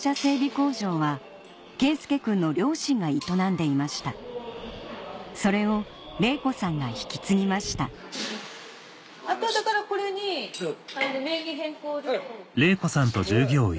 工場は佳祐くんの両親が営んでいましたそれを玲子さんが引き継ぎましたあとはだからこれに名義変更。